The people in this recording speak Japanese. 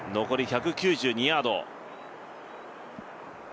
残り１９２ヤード。